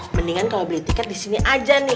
mendingan kalau beli tiket disini aja nih